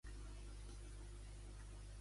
Qui va començar a recitar textos religiosos?